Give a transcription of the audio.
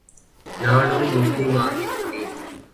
நானோ முஸ்லிம் ஆகிவிட்டேன்.